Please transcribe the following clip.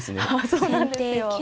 そうなんですよ。